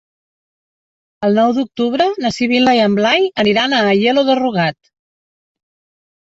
El nou d'octubre na Sibil·la i en Blai aniran a Aielo de Rugat.